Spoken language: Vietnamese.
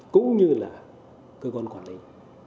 cũng như là cơ quan quản lý